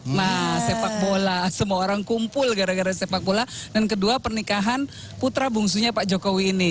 nah sepak bola semua orang kumpul gara gara sepak bola dan kedua pernikahan putra bungsunya pak jokowi ini